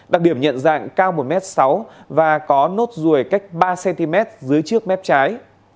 đặc điểm nhận dạng cao một m sáu và có nốt ruồi cách ba cm dưới trước mép trái